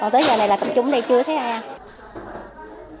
còn tới giờ này là tập trung ở đây chưa thấy ai